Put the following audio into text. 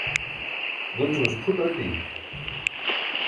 gulćumuc phuṭ oti